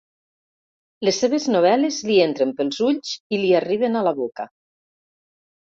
Les seves novel·les li entren pels ulls i li arriben a la boca.